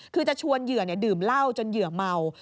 คือจะชวนเหยื่อดื่มเหล้าจนเหยื่อเมา